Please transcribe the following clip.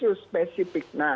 penyelesaian di digital